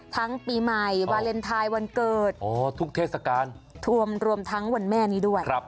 ปีใหม่วาเลนไทยวันเกิดทุกเทศกาลทวมรวมทั้งวันแม่นี้ด้วย